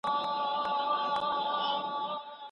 ریس وویل چي معلم صاحب زموږ پاڼه وړاندي کړه.